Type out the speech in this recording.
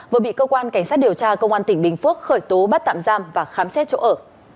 vừa bị cơ quan cảnh sát điều tra công an tỉnh bình phước khởi tố bắt tạm giam và khám xét chỗ ở